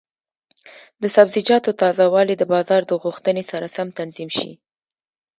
د سبزیجاتو تازه والي د بازار د غوښتنې سره سم تنظیم شي.